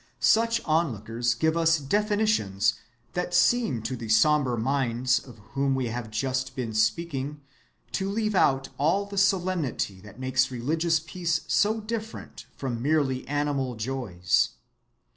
Such onlookers give us definitions that seem to the sombre minds of whom we have just been speaking to leave out all the solemnity that makes religious peace so different from merely animal joys.